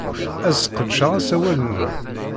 Ad sqedceɣ asawal-nnem.